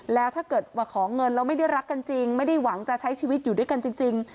แล้วถ้าเกิดว่าขอเงินแล้วไม่ได้รักกันจริงไม่ได้หวังจะใช้ชีวิตอยู่ด้วยกันจริง